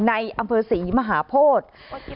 ในอำเภอศรีมหาโพธิ